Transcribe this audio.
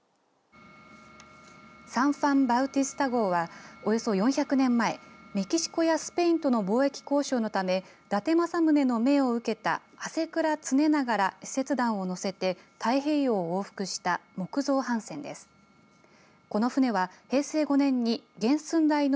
サン・ファン・バウティスタ号はおよそ４００年前メキシコやスペインとの貿易交渉のため伊達政宗の命を受けた支倉常長ら使節団を乗せて太平洋を往復した木造船団です。